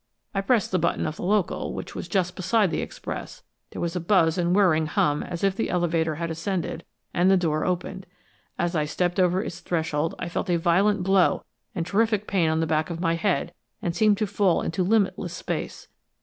I pressed the button of the local, which was just beside the express there was a buzz and whirring hum as if the elevator had ascended, and the door opened. As I stepped over its threshold, I felt a violent blow and terrific pain on the back of my head, and seemed to fall into limitless space.